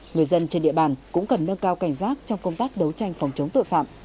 người dân trên địa bàn cũng cần nâng cao cảnh giác trong công tác đấu tranh phòng chống tội phạm